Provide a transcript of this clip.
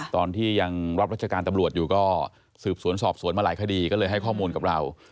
ตอนที่ยังรับรัชการตำรวจอยู่ก็สืบสวนสอบสวนมาหลายคดีก็เลยให้ข้อมูลกับเรา